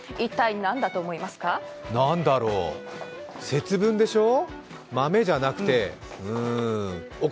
何だろう、節分でしょ、豆じゃなくてお米？